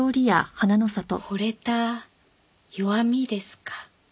惚れた弱みですか。